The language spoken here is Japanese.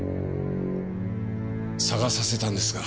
捜させたんですが。